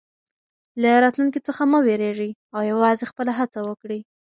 له راتلونکي څخه مه وېرېږئ او یوازې خپله هڅه وکړئ.